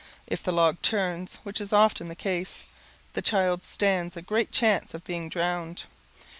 If the log turns, which is often the case, the child stands a great chance of being drowned.